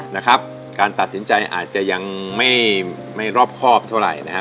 นะครับการตัดสินใจอาจจะยังไม่รอบครอบเท่าไหร่นะฮะ